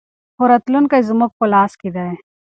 خو راتلونکی زموږ په لاس کې دی.